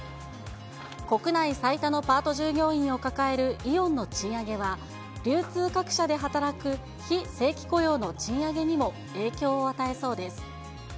国内最多のパート従業員を抱えるイオンの賃上げは、流通各社で働く非正規雇用の賃上げにも影響を与えそうです。